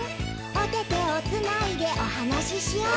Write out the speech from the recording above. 「おててをつないでおはなししよう」